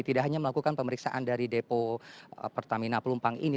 tidak hanya melakukan pemeriksaan dari depo pertamina pelumpang ini